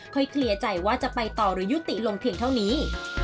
เคลียร์ใจว่าจะไปต่อหรือยุติลงเพียงเท่านี้